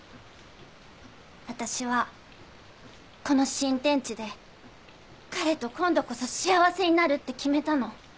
私はこの新天地で彼と今度こそ幸せになるって決めたの。